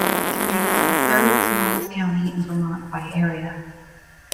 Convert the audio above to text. It is the third-smallest county in Vermont by area.